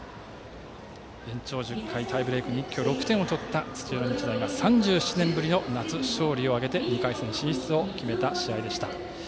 延長１０回タイブレークに一挙６点を取った土浦日大が３７年ぶりの夏勝利を挙げて２回戦進出を決めた試合でした。